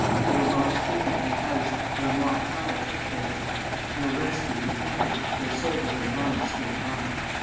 They were marched to an empty house, where a mock trial took place. No rescue was attempted, though soldiers of the line stood by.